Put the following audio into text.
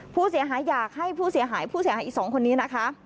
ผู้เสียหายอยากให้ผู้เสียหายผู้เสียหายอีก๒คนนี้นะคะ